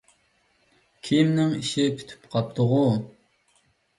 كىيىمنىڭ ئىشى پۈتۈپ قاپتۇغۇ!